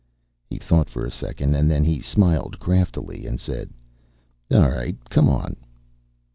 He thought for a second, and then he smiled craftily and said: "All right, come on."